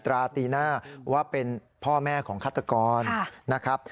ราตีหน้าว่าเป็นพ่อแม่ของฆาตกรนะครับ